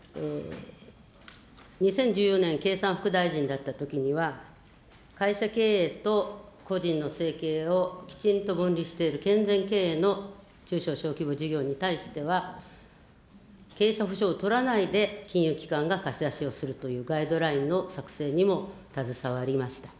２０１４年経産副大臣だったときには、会社経営と個人の生計をきちんと分離している健全経営の中小小規模事業に対しては、経営者保証を取らないで、金融機関が貸し出しをするというガイドラインの作成にも携わりました。